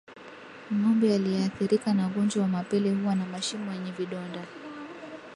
Ngombe aliyeathirika na ugonjwa wa mapele huwa na mashimo yenye vidonda